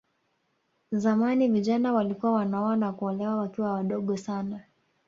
Zamani vijana walikuwa wanaoa na kuolewa wakiwa wadogo sana